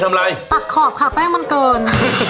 ตัดขอบค่ะไม่ให้มันเกิน